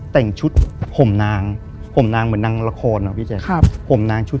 แต่งชุด